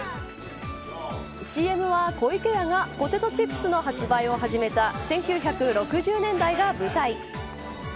ＣＭは湖池屋がポテトチップスの発売を始めた１９６０年代が舞台。